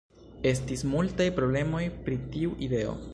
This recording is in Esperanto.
Estis multaj problemoj pri tiu ideo.